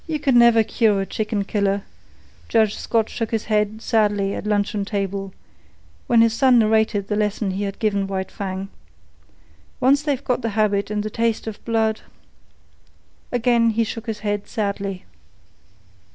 "You can never cure a chicken killer." Judge Scott shook his head sadly at luncheon table, when his son narrated the lesson he had given White Fang. "Once they've got the habit and the taste of blood ..." Again he shook his head sadly.